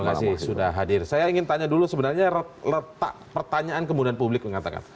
terima kasih sudah hadir saya ingin tanya dulu sebenarnya letak pertanyaan kemudian publik mengatakan